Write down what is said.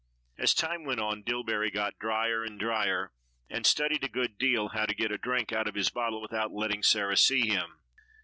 As time went on Dillbery got dryer and dryer, and studied a good deal how to get a drink out of his bottle without letting Sarah see him.